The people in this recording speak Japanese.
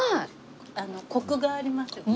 コクがありますよね